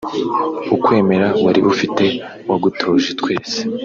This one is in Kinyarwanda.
ukwemera wari ufite wagutoje twese